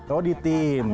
oh di tim